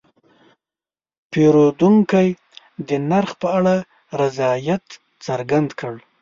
پیرودونکی د نرخ په اړه رضایت څرګند کړ.